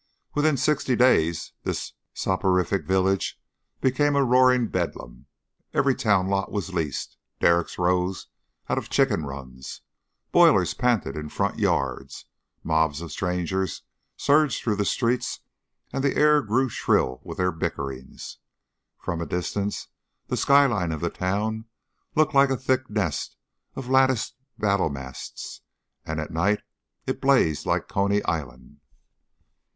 Within sixty days this soporific village became a roaring bedlam; every town lot was leased, derricks rose out of chicken runs, boilers panted in front yards, mobs of strangers surged through the streets and the air grew shrill with their bickerings. From a distance, the sky line of the town looked like a thick nest of lattice battle masts, and at night it blazed like Coney Island.